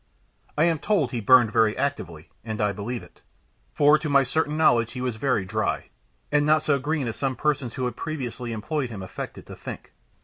I am told he burned very actively, and I believe it, for to my certain knowledge he was very dry, and not so green as some persons who had previously employed him affected to think.